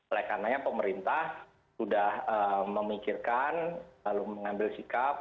oleh karenanya pemerintah sudah memikirkan lalu mengambil sikap